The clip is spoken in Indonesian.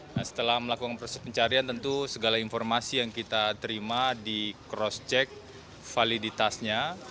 nah setelah melakukan proses pencarian tentu segala informasi yang kita terima di cross check validitasnya